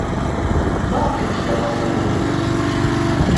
Maɣef ay tga aya iḍelli?